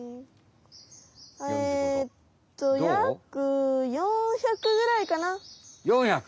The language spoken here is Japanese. えとやく４００ぐらいかな。